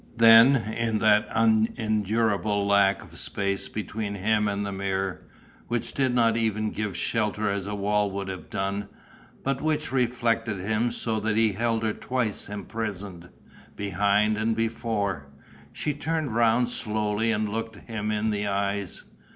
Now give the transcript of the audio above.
Then, in that unendurable lack of space between him and the mirror, which did not even give shelter as a wall would have done, but which reflected him so that he held her twice imprisoned, behind and before, she turned round slowly and looked him in the eyes.